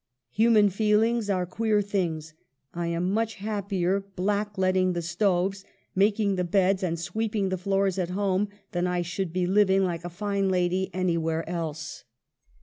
Human feelings are queer things ; I am much happier blackleading the stoves, mak ing the beds, and sweeping the floors at home than I should be living like a fine lady anywhere else."